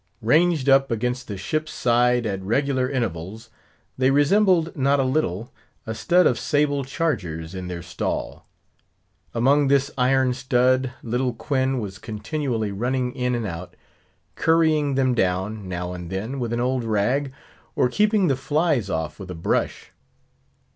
Ranged up against the ship's side at regular intervals, they resembled not a little a stud of sable chargers in their stall. Among this iron stud little Quoin was continually running in and out, currying them down, now and then, with an old rag, or keeping the flies off with a brush.